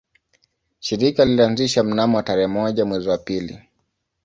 Shirika lilianzishwa mnamo tarehe moja mwezi wa pili